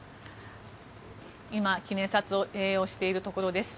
今、記念撮影をしているところです。